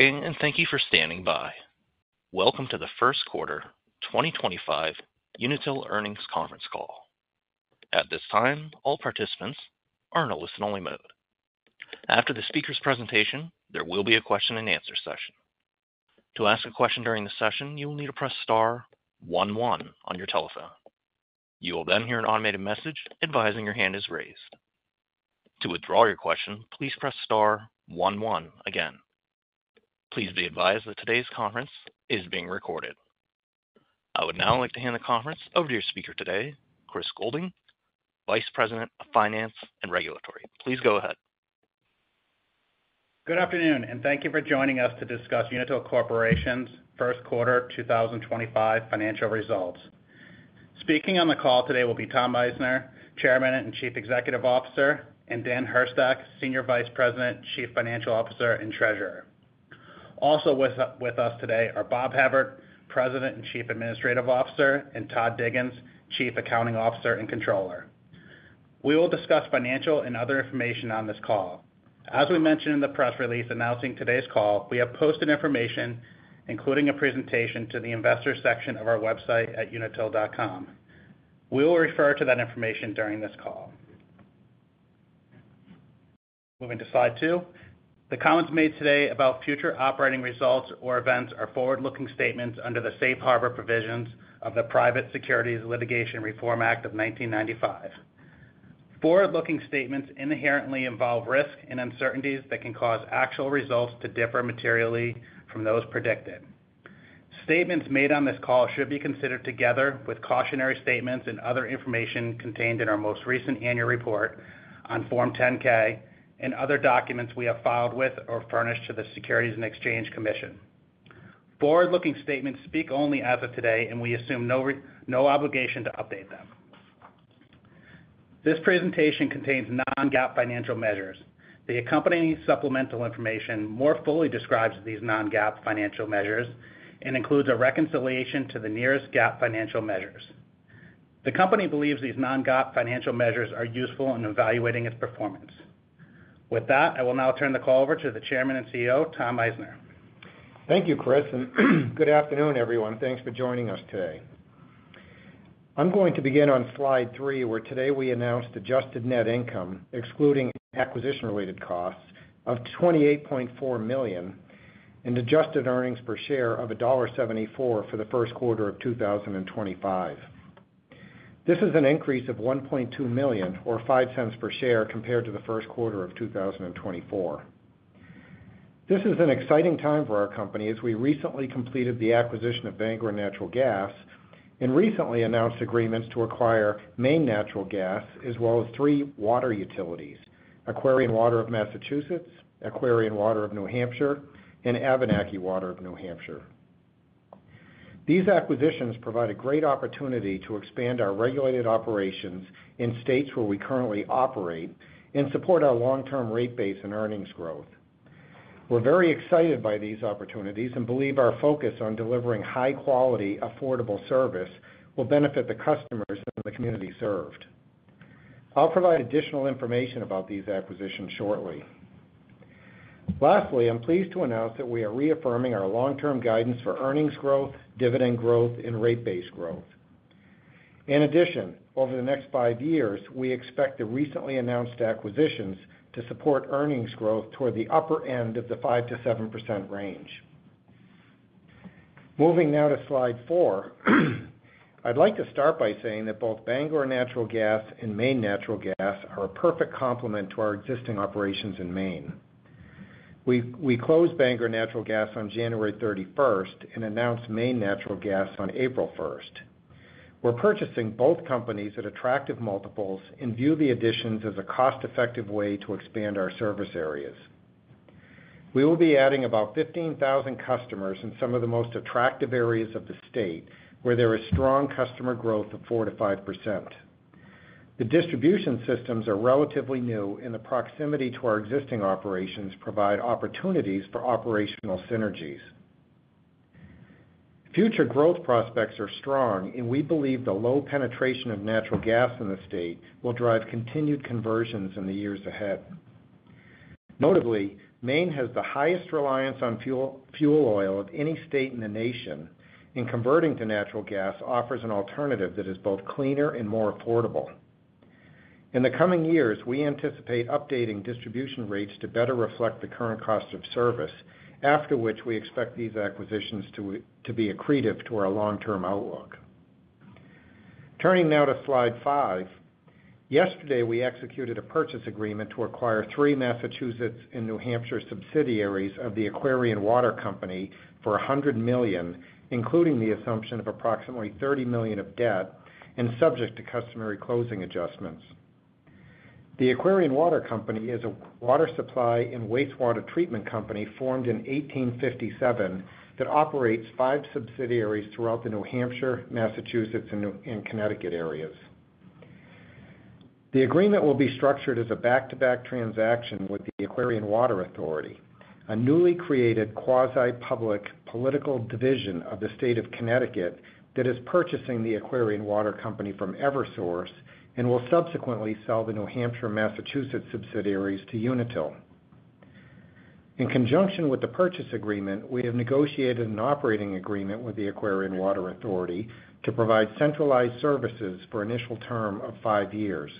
Good day, and thank you for standing by. Welcome to the first quarter 2025 Unitil earnings conference call. At this time, all participants are in a listen-only mode. After the speaker's presentation, there will be a question-and-answer session. To ask a question during the session, you will need to press star one one on your telephone. You will then hear an automated message advising your hand is raised. To withdraw your question, please press star one one again. Please be advised that today's conference is being recorded. I would now like to hand the conference over to your speaker today, Chris Goulding, Vice President of Finance and Regulatory. Please go ahead. Good afternoon, and thank you for joining us to discuss Unitil Corporation's first quarter 2025 financial results. Speaking on the call today will be Tom Meissner, Chairman and Chief Executive Officer, and Dan Hurstak, Senior Vice President, Chief Financial Officer, and Treasurer. Also with us today are Bob Hevert, President and Chief Administrative Officer, and Todd Diggins, Chief Accounting Officer and Controller. We will discuss financial and other information on this call. As we mentioned in the press release announcing today's call, we have posted information, including a presentation to the investor section of our website at Unitil.com. We will refer to that information during this call. Moving to slide two, the comments made today about future operating results or events are forward-looking statements under the Safe Harbor Provisions of the Private Securities Litigation Reform Act of 1995. Forward-looking statements inherently involve risk and uncertainties that can cause actual results to differ materially from those predicted. Statements made on this call should be considered together with cautionary statements and other information contained in our most recent annual report on Form 10-K and other documents we have filed with or furnished to the Securities and Exchange Commission. Forward-looking statements speak only as of today, and we assume no obligation to update them. This presentation contains non-GAAP financial measures. The accompanying supplemental information more fully describes these non-GAAP financial measures and includes a reconciliation to the nearest GAAP financial measures. The company believes these non-GAAP financial measures are useful in evaluating its performance. With that, I will now turn the call over to the Chairman and CEO, Tom Meissner. Thank you, Chris, and good afternoon, everyone. Thanks for joining us today. I'm going to begin on slide three, where today we announced adjusted net income, excluding acquisition-related costs, of $28.4 million and adjusted earnings per share of $1.74 for the first quarter of 2025. This is an increase of $1.2 million or $0.05 per share compared to the first quarter of 2024. This is an exciting time for our company as we recently completed the acquisition of Vanguard Natural Gas and recently announced agreements to acquire Maine Natural Gas as well as three water utilities: Aquarian Water of Massachusetts, Aquarian Water of New Hampshire, and Abenaki Water of New Hampshire. These acquisitions provide a great opportunity to expand our regulated operations in states where we currently operate and support our long-term rate base and earnings growth. We're very excited by these opportunities and believe our focus on delivering high-quality, affordable service will benefit the customers and the community served. I'll provide additional information about these acquisitions shortly. Lastly, I'm pleased to announce that we are reaffirming our long-term guidance for earnings growth, dividend growth, and rate base growth. In addition, over the next five years, we expect the recently announced acquisitions to support earnings growth toward the upper end of the 5%-7% range. Moving now to slide four, I'd like to start by saying that both Vanguard Natural Gas and Maine Natural Gas are a perfect complement to our existing operations in Maine. We closed Vanguard Natural Gas on January 31st, and announced Maine Natural Gas on April 1st. We're purchasing both companies at attractive multiples and view the additions as a cost-effective way to expand our service areas. We will be adding about 15,000 customers in some of the most attractive areas of the state, where there is strong customer growth of 4%-5%. The distribution systems are relatively new, and the proximity to our existing operations provides opportunities for operational synergies. Future growth prospects are strong, and we believe the low penetration of natural gas in the state will drive continued conversions in the years ahead. Notably, Maine has the highest reliance on fuel oil of any state in the nation, and converting to natural gas offers an alternative that is both cleaner and more affordable. In the coming years, we anticipate updating distribution rates to better reflect the current cost of service, after which we expect these acquisitions to be accretive to our long-term outlook. Turning now to slide five, yesterday we executed a purchase agreement to acquire three Massachusetts and New Hampshire subsidiaries of the Aquarian Water Company for $100 million, including the assumption of approximately $30 million of debt and subject to customary closing adjustments. The Aquarian Water Company is a water supply and wastewater treatment company formed in 1857 that operates five subsidiaries throughout the New Hampshire, Massachusetts, and Connecticut areas. The agreement will be structured as a back-to-back transaction with the Aquarian Water Authority, a newly created quasi-public political division of the state of Connecticut that is purchasing the Aquarian Water Company from Eversource and will subsequently sell the New Hampshire and Massachusetts subsidiaries to Unitil. In conjunction with the purchase agreement, we have negotiated an operating agreement with the Aquarian Water Authority to provide centralized services for an initial term of five years.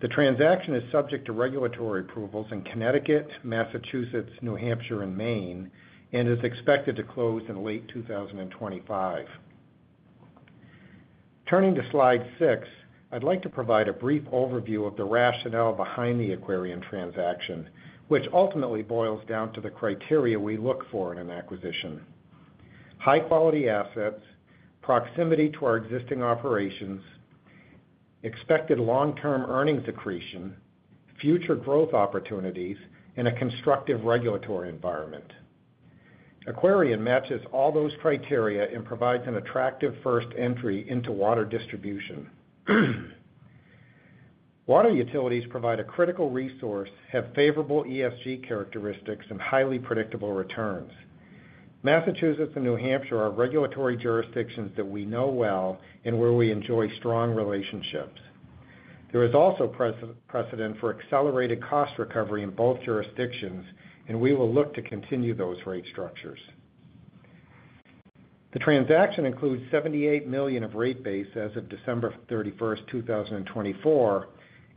The transaction is subject to regulatory approvals in Connecticut, Massachusetts, New Hampshire, and Maine, and is expected to close in late 2025. Turning to slide six, I'd like to provide a brief overview of the rationale behind the Aquarian transaction, which ultimately boils down to the criteria we look for in an acquisition: high-quality assets, proximity to our existing operations, expected long-term earnings accretion, future growth opportunities, and a constructive regulatory environment. Aquarian matches all those criteria and provides an attractive first entry into water distribution. Water utilities provide a critical resource, have favorable ESG characteristics, and highly predictable returns. Massachusetts and New Hampshire are regulatory jurisdictions that we know well and where we enjoy strong relationships. There is also precedent for accelerated cost recovery in both jurisdictions, and we will look to continue those rate structures. The transaction includes $78 million of rate base as of December 31st, 2024,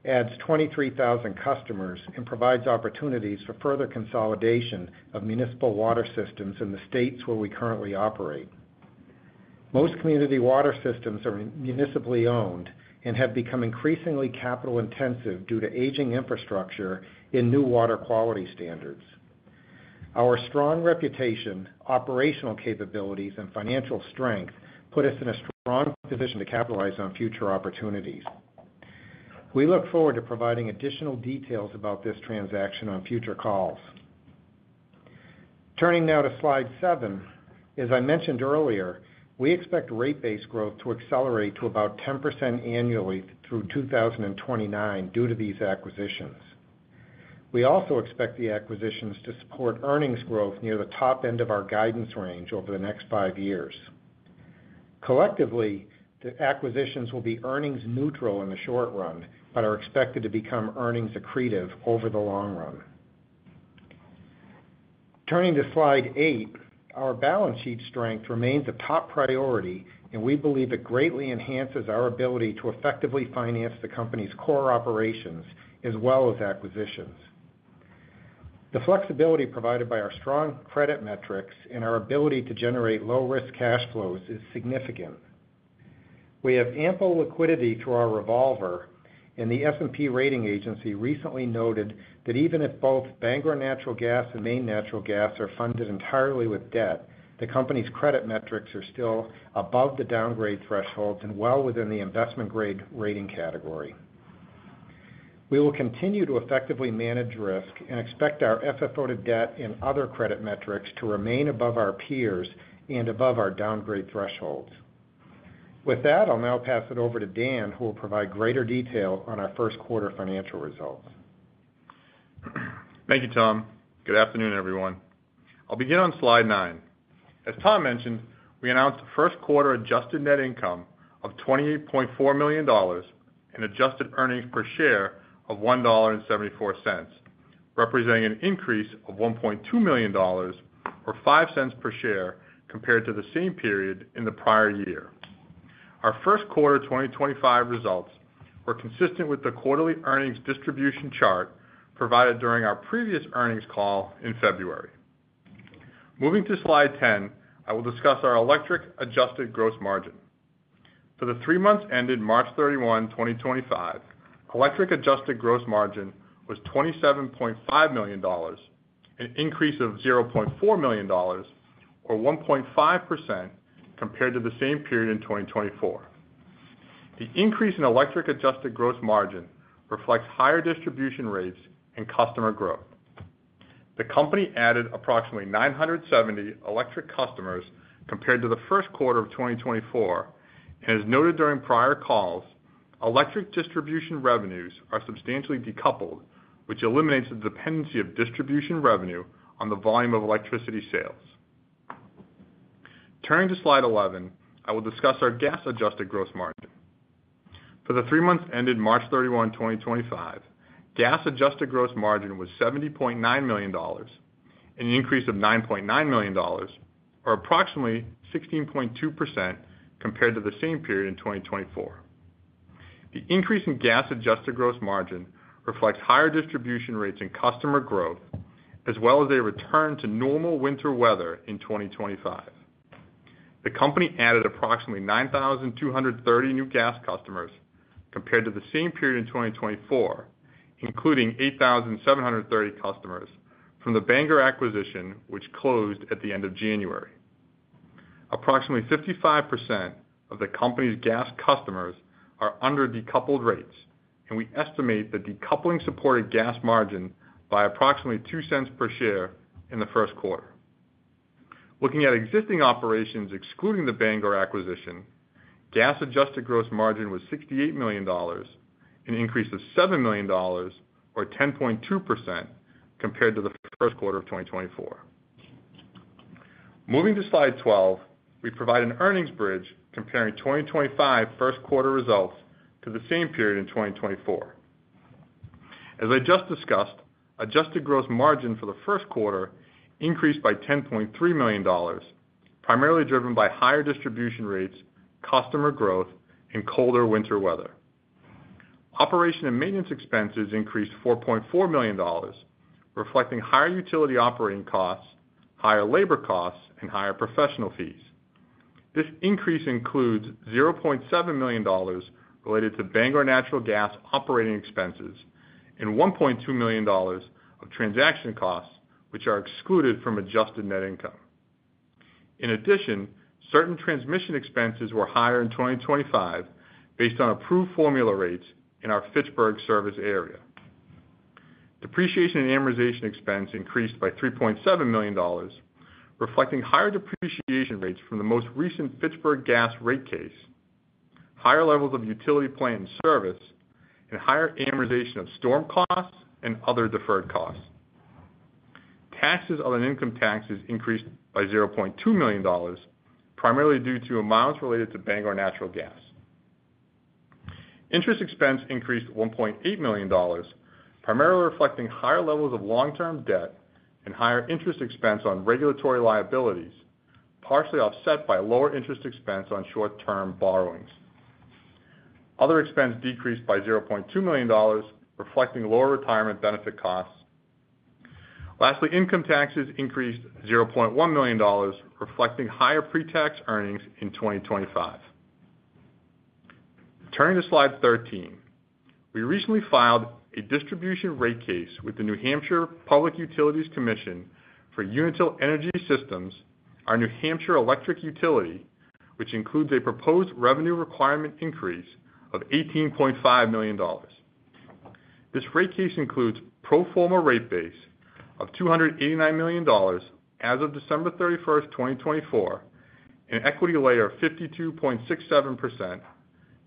adds 23,000 customers, and provides opportunities for further consolidation of municipal water systems in the states where we currently operate. Most community water systems are municipally owned and have become increasingly capital-intensive due to aging infrastructure and new water quality standards. Our strong reputation, operational capabilities, and financial strength put us in a strong position to capitalize on future opportunities. We look forward to providing additional details about this transaction on future calls. Turning now to slide seven, as I mentioned earlier, we expect rate base growth to accelerate to about 10% annually through 2029 due to these acquisitions. We also expect the acquisitions to support earnings growth near the top end of our guidance range over the next five years. Collectively, the acquisitions will be earnings-neutral in the short run but are expected to become earnings-accretive over the long run. Turning to slide eight, our balance sheet strength remains a top priority, and we believe it greatly enhances our ability to effectively finance the company's core operations as well as acquisitions. The flexibility provided by our strong credit metrics and our ability to generate low-risk cash flows is significant. We have ample liquidity through our revolver, and the S&P rating agency recently noted that even if both Vanguard Natural Gas and Maine Natural Gas are funded entirely with debt, the company's credit metrics are still above the downgrade thresholds and well within the investment-grade rating category. We will continue to effectively manage risk and expect our FFO-to-debt and other credit metrics to remain above our peers and above our downgrade thresholds. With that, I'll now pass it over to Dan, who will provide greater detail on our first quarter financial results. Thank you, Tom. Good afternoon, everyone. I'll begin on slide nine. As Tom mentioned, we announced a first quarter adjusted net income of $28.4 million and adjusted earnings per share of $1.74, representing an increase of $1.2 million or $0.05 per share compared to the same period in the prior year. Our first quarter 2025 results were consistent with the quarterly earnings distribution chart provided during our previous earnings call in February. Moving to slide 10, I will discuss our electric adjusted gross margin. For the three months ended March 31, 2025, electric adjusted gross margin was $27.5 million, an increase of $0.4 million or 1.5% compared to the same period in 2024. The increase in electric adjusted gross margin reflects higher distribution rates and customer growth. The company added approximately 970 electric customers compared to the first quarter of 2024, and as noted during prior calls, electric distribution revenues are substantially decoupled, which eliminates the dependency of distribution revenue on the volume of electricity sales. Turning to slide eleven, I will discuss our gas adjusted gross margin. For the three months ended March 31, 2025, gas adjusted gross margin was $70.9 million, an increase of $9.9 million or approximately 16.2% compared to the same period in 2024. The increase in gas adjusted gross margin reflects higher distribution rates and customer growth, as well as a return to normal winter weather in 2025. The company added approximately 9,230 new gas customers compared to the same period in 2024, including 8,730 customers from the Vanguard acquisition, which closed at the end of January. Approximately 55% of the company's gas customers are under decoupled rates, and we estimate the decoupling supported gas margin by approximately $0.02 per share in the first quarter. Looking at existing operations excluding the Vanguard acquisition, gas adjusted gross margin was $68 million, an increase of $7 million or 10.2% compared to the first quarter of 2024. Moving to slide 12, we provide an earnings bridge comparing 2025 first quarter results to the same period in 2024. As I just discussed, adjusted gross margin for the first quarter increased by $10.3 million, primarily driven by higher distribution rates, customer growth, and colder winter weather. Operation and maintenance expenses increased $4.4 million, reflecting higher utility operating costs, higher labor costs, and higher professional fees. This increase includes $0.7 million related to Vanguard Natural Gas operating expenses and $1.2 million of transaction costs, which are excluded from adjusted net income. In addition, certain transmission expenses were higher in 2025 based on approved formula rates in our Fitchburg service area. Depreciation and amortization expense increased by $3.7 million, reflecting higher depreciation rates from the most recent Fitchburg Gas and Electric Light Company gas rate case, higher levels of utility plant and service, and higher amortization of storm costs and other deferred costs. Taxes on income taxes increased by $0.2 million, primarily due to amounts related to Vanguard Natural Gas. Interest expense increased $1.8 million, primarily reflecting higher levels of long-term debt and higher interest expense on regulatory liabilities, partially offset by lower interest expense on short-term borrowings. Other expense decreased by $0.2 million, reflecting lower retirement benefit costs. Lastly, income taxes increased $0.1 million, reflecting higher pre-tax earnings in 2025. Turning to slide 13, we recently filed a distribution rate case with the New Hampshire Public Utilities Commission for Unitil Energy Systems, our New Hampshire electric utility, which includes a proposed revenue requirement increase of $18.5 million. This rate case includes pro forma rate base of $289 million as of December 31st, 2024, an equity layer of 52.67%,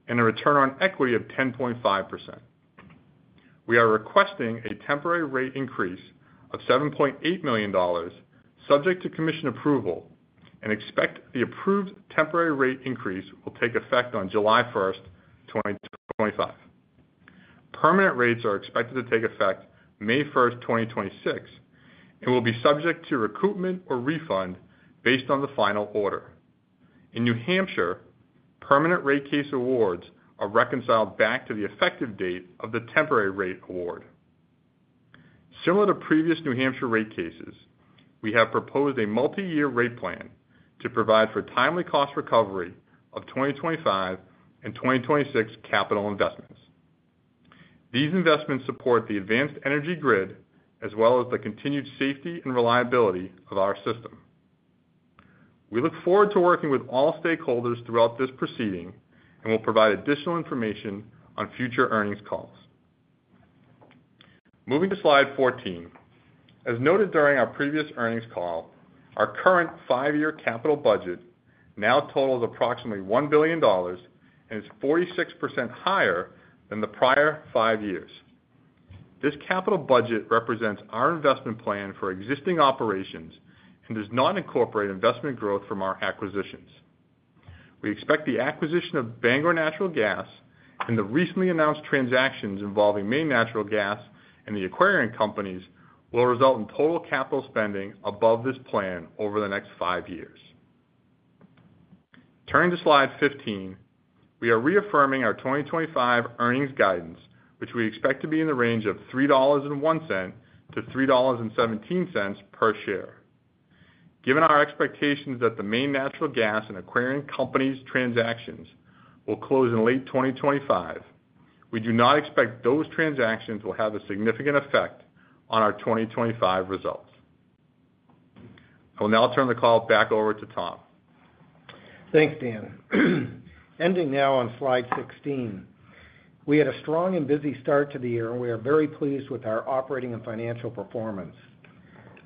and a return on equity of 10.5%. We are requesting a temporary rate increase of $7.8 million, subject to commission approval, and expect the approved temporary rate increase will take effect on July 1st, 2025. Permanent rates are expected to take effect May 1st, 2026, and will be subject to recoupment or refund based on the final order. In New Hampshire, permanent rate case awards are reconciled back to the effective date of the temporary rate award. Similar to previous New Hampshire rate cases, we have proposed a multi-year rate plan to provide for timely cost recovery of 2025 and 2026 capital investments. These investments support the advanced energy grid as well as the continued safety and reliability of our system. We look forward to working with all stakeholders throughout this proceeding and will provide additional information on future earnings calls. Moving to slide 14, as noted during our previous earnings call, our current five-year capital budget now totals approximately $1 billion and is 46% higher than the prior five years. This capital budget represents our investment plan for existing operations and does not incorporate investment growth from our acquisitions. We expect the acquisition of Vanguard Natural Gas and the recently announced transactions involving Maine Natural Gas and the Aquarian companies will result in total capital spending above this plan over the next five years. Turning to slide fifteen, we are reaffirming our 2025 earnings guidance, which we expect to be in the range of $3.01-$3.17 per share. Given our expectations that the Maine Natural Gas and Aquarian companies transactions will close in late 2025, we do not expect those transactions will have a significant effect on our 2025 results. I will now turn the call back over to Tom. Thanks, Dan. Ending now on slide 16, we had a strong and busy start to the year, and we are very pleased with our operating and financial performance.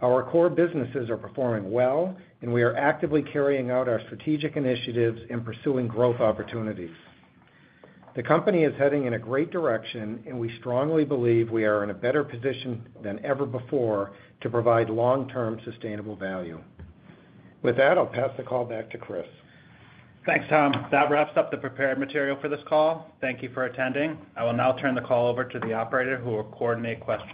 Our core businesses are performing well, and we are actively carrying out our strategic initiatives and pursuing growth opportunities. The company is heading in a great direction, and we strongly believe we are in a better position than ever before to provide long-term sustainable value. With that, I'll pass the call back to Chris. Thanks, Tom. That wraps up the prepared material for this call. Thank you for attending. I will now turn the call over to the operator who will coordinate questions.